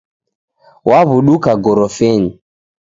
Waw'uduka Ghorofinyi.